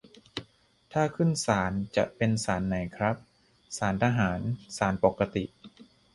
ถ้าขึ้นศาล จะเป็นศาลไหนครับ ศาลทหาร ศาลปกติ